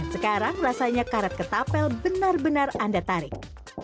sekarang rasanya karet ketapel benar benar anda tarik